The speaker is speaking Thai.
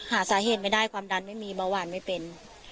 หาสาเหตุไม่ได้ความดันไม่มีเบาหวานไม่เป็น